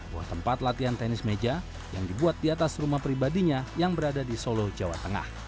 buah tempat latihan tenis meja yang dibuat di atas rumah pribadinya yang berada di solo jawa tengah